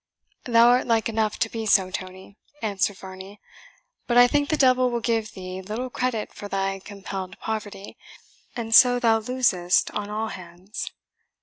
"Thou art like enough to be so, Tony," answered Varney; "but I think the devil will give thee little credit for thy compelled poverty, and so thou losest on all hands.